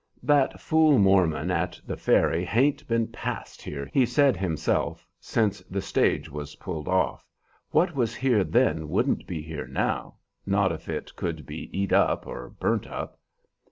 "That fool Mormon at the ferry hain't been past here, he said himself, since the stage was pulled off. What was here then wouldn't be here now not if it could be eat up or burnt up."